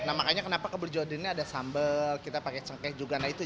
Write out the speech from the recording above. nah makanya kenapa keberjudin ini ada sambal kita pakai cengkeh juga nah itu